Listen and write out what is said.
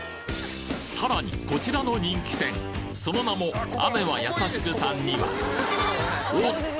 さらにこちらの人気店その名も「雨は、やさしく」さんにはおっと！